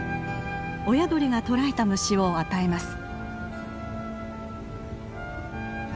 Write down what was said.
親鳥が捕らえた虫を与えます。